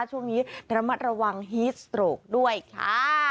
ช่วงนี้ระมัดระวังฮีสโตรกด้วยค่ะ